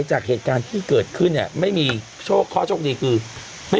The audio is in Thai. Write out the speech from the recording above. จากเหตุการณ์ที่เกิดขึ้นเนี่ยไม่มีโชคข้อโชคดีคือไม่